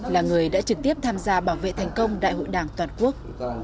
là người đã trực tiếp tham gia bảo vệ thành công đại hội đảng toàn quốc